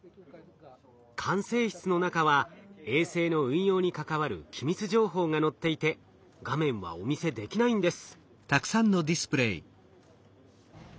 管制室の中は衛星の運用に関わる機密情報が載っていて画面はお見せできないんです。